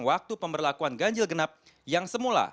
waktu pemberlakuan ganjil genap yang semula